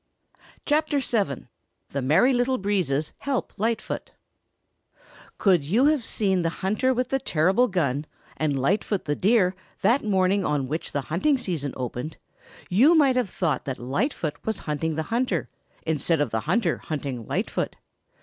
CHAPTER VII THE MERRY LITTLE BREEZES HELP LIGHTFOOT Could you have seen the hunter with the terrible gun and Lightfoot the Deer that morning on which the hunting season opened you might have thought that Lightfoot was hunting the hunter instead of the hunter hunting Lightfoot.